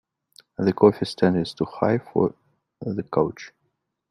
The coffee stand is too high for the couch.